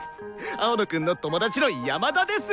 青野くんの友達の山田です！